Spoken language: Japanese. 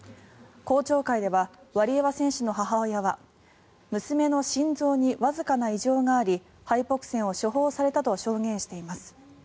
公聴会ではワリエワ選手の母親は娘の心臓にわずかな異常がありハイポクセンを処方されたと証言しています。